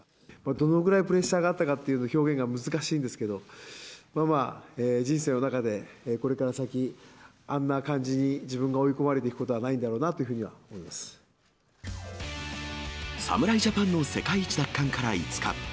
どのぐらいプレッシャーがあったかっていうのは、表現が難しいんですけど、まあまあ、人生の中で、これから先、あんな感じに自分が追い込まれていくことはないんだろうなという侍ジャパンの世界一奪還から５日。